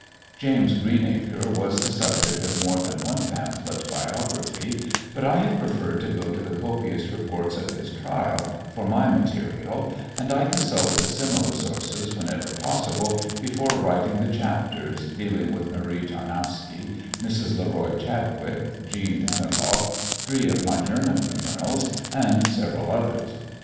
James Greenacre, was the subject of more than one pamphlet biography, but I have preferred to go to the copious reports of his trial for my material, and I consulted similar sources whenever possible before writing the chapters dealing with Marie Tarnowska, Mrs. Leroy Chadwick, Jeanne Daniloff, three of my German criminals and several others.